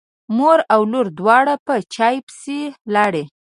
مور او لور دواړه په چای پسې لاړې.